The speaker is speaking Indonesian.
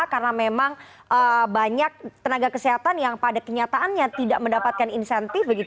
karena memang banyak tenaga kesehatan yang pada kenyataannya tidak mendapatkan insentif